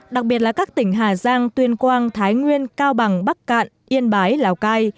đặc biệt là các tỉnh hà giang tuyên quang thái nguyên cao bằng bắc cạn yên bái lào cai